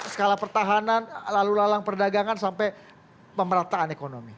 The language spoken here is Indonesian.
skala pertahanan lalu lalang perdagangan sampai pemerataan ekonomi